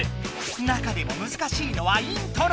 中でも難しいのはイントロ。